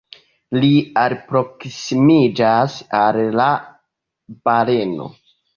Ri alproksimiĝas al la baleno.